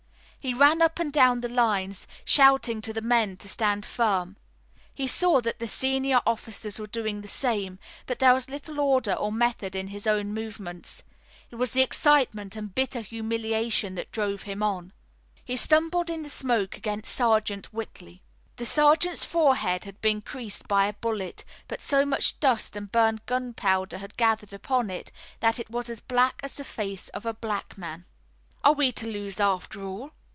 He ran up and down the lines, shouting to the men to stand firm. He saw that the senior officers were doing the same, but there was little order or method in his own movements. It was the excitement and bitter humiliation that drove him on. He stumbled in the smoke against Sergeant Whitley. The sergeant's forehead had been creased by a bullet, but so much dust and burned gunpowder had gathered upon it that it was as black as the face of a black man. "Are we to lose after all?"